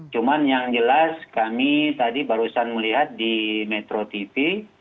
cuman yang jelas kami tadi barusan melihat di metro tv